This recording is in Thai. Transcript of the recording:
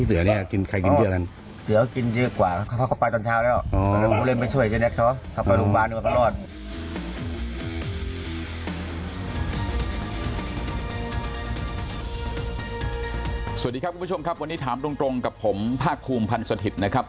สวัสดีครับคุณผู้ชมครับวันนี้ถามตรงกับผมภาคภูมิพันธ์สถิตย์นะครับ